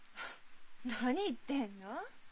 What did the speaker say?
何言ってんの？